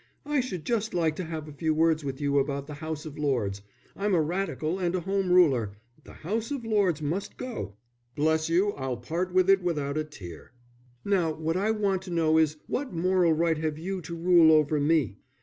"I should just like to have a few words with you about the House of Lords. I'm a Radical and a Home Ruler. The House of Lords must go." "Bless you, I'll part from it without a tear." "Now, what I want to know is what moral right have you to rule over me?"